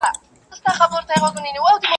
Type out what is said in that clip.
د مطرب به په شهباز کي غزل نور وي.